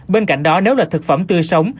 bên cạnh đó nếu là thực phẩm tươi sống